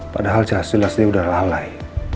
padahal jelas jelas dia udah lalai